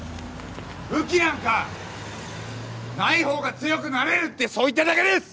武器なんかないほうが強くなれるってそう言っただけです！